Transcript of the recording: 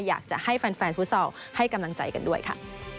อยากจะให้แฟนฟุตซอลให้กำลังใจกันด้วยค่ะ